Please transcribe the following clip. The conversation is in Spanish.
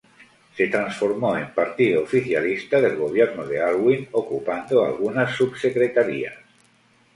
Se transformó en partido oficialista del gobierno de Aylwin, ocupando algunas subsecretarías.